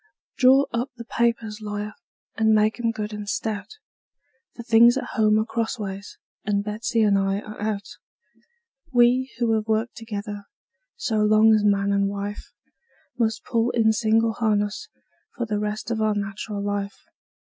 Draw up the papers, lawyer, and make 'em good and stout; For things at home are crossways, and Betsey and I are out. We, who have worked together so long as man and wife, Must pull in single harness for the rest of our nat'ral life.